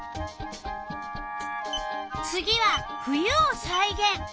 次は冬をさいげん。